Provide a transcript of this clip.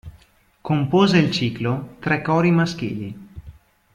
Compose il ciclo "Tre cori maschili".